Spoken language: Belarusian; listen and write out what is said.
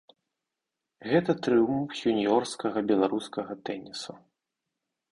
Гэта трыумф юніёрскага беларускага тэнісу.